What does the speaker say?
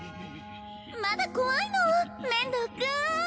まだ怖いの面堂くん。